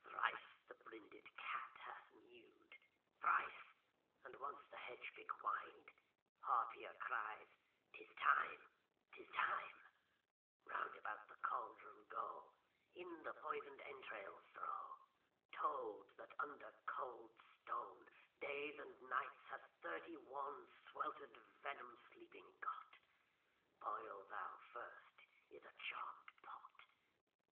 Thrice the brinded cat hath mew'd. SECOND WITCH. Thrice, and once the hedge pig whin'd. THIRD WITCH. Harpier cries:—'Tis time, 'tis time. FIRST WITCH. Round about the cauldron go; In the poison'd entrails throw.— Toad, that under cold stone Days and nights has thirty one Swelter'd venom sleeping got, Boil thou first i' th' charmed pot!